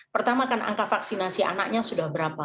pertama kan angka vaksinasi anaknya sudah berapa